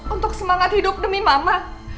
untuk semangat hidup demi mama